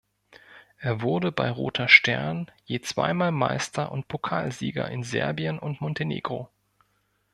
Er wurde bei Roter Stern je zweimal Meister und Pokalsieger in Serbien und Montenegro.